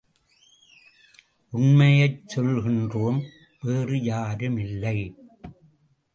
உண்மையைச் சொல்கின்றோம் வேறு யாருமில்லை!